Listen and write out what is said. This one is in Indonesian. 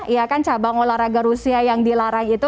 ya kan cabang olahraga rusia yang dilarang itu